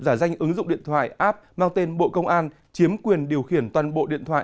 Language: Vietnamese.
giả danh ứng dụng điện thoại app mang tên bộ công an chiếm quyền điều khiển toàn bộ điện thoại